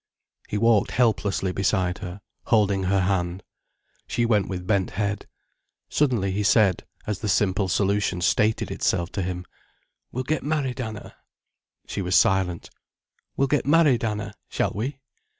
He walked helplessly beside her, holding her hand. She went with bent head. Suddenly he said, as the simple solution stated itself to him: "We'll get married, Anna." She was silent. "We'll get married, Anna, shall we?"